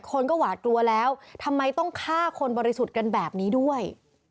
คนก็หวาดกลัวแล้วทำไมต้องฆ่าคนบริสุทธิ์กันแบบนี้ด้วย